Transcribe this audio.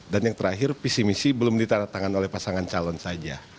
dan yang terakhir visi misi belum ditandatangan oleh pasangan calon saja